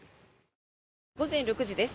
午前６時です。